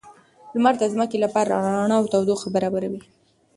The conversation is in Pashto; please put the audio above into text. لمر د ځمکې لپاره رڼا او تودوخه برابروي